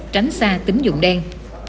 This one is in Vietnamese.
tránh xa tính dụng đen